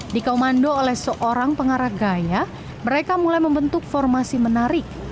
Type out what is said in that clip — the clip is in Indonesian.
dikomando oleh seorang pengarah gaya mereka mulai membentuk formasi menarik